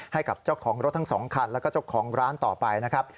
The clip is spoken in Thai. ให้กับเจ้าของรถทั้ง๒คันแล้วก็เจ้าของร้านต่อไปนะครับ